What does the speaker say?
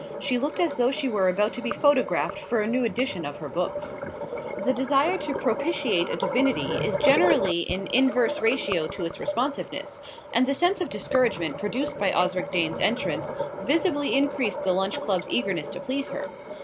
She looked as though she were about to be photographed for a new edition of her books. The desire to propitiate a divinity is generally in inverse ratio to its responsiveness, and the sense of discouragement produced by Osric Dane's entrance visibly increased the Lunch Club's eagerness to please her.